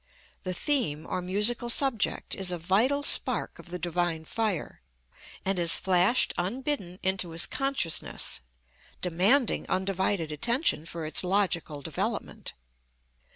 The theme, or musical subject, is a vital spark of the divine fire, and has flashed unbidden into his consciousness, demanding undivided attention for its logical development.